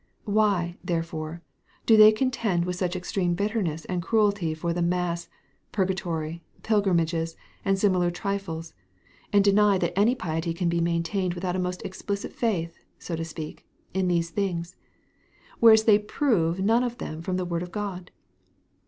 Why, therefore, do they contend with such extreme bitterness and cruelty for the mass, purgatory, pilgrimages, and similar trifles, and deny that any piety can be maintained without a most explicit faith, so to speak, in these things; whereas they prove none of them from the word of God?